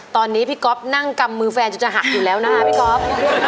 ตอนนี้พี่ก๊อฟนั่งกำมือแฟนจนจะหักอยู่แล้วนะคะพี่ก๊อฟ